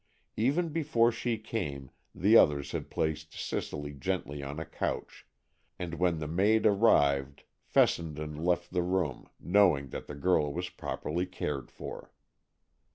Even before she came the others had placed Cicely gently on a couch, and when the maid arrived Fessenden left the room, knowing that the girl was properly cared for.